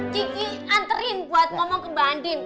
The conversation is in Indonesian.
kiki anterin buat ngomong ke mbak andin